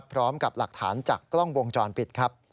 พร้อมกับหลักฐานจากกล้องวงจรปิดครับ